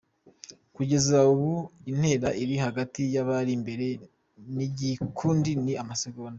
Kugeza ubu, intera iri hagati y’abari imbere n’igikundi ni amasegonda .